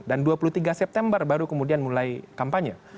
dan dua puluh tiga september baru kemudian mulai kampanye